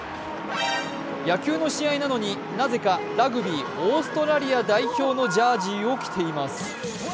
野球の試合なのになぜかラグビー・オーストラリア代表のジャージーを着ています。